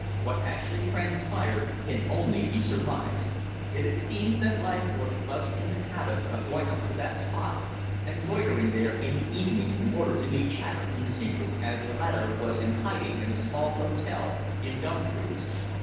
What actually transpired can only be surmised, yet it seems that Leithcourt was in the habit of going up to that spot and loitering there in the evening in order to meet Chater in secret, as the latter was in hiding in a small hotel in Dumfries.